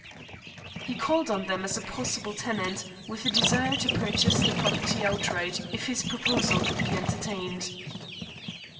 He called on them as a possible tenant, with a desire to purchase the property outright if his proposal could be entertained.